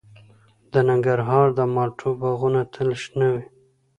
د ننګرهار د مالټو باغونه تل شنه وي.